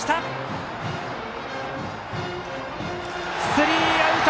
スリーアウト。